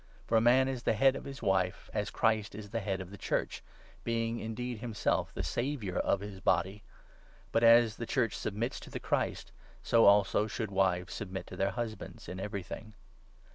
For a man is the Head 23 of his wffe, as the Christ is the Head of the Church — being indeed himself the Saviour of his Body. But as the 24 Church submits to the Christ, so also should wives submit to their husbands in everything.